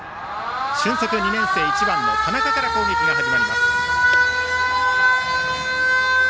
俊足２年生の田中から攻撃が始まります。